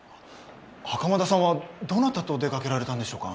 袴田さんはどなたと出掛けられたんでしょうか？